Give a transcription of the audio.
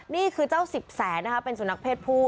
นี่คือเจ้าสิบแสนนะคะเป็นสุนัขเพศผู้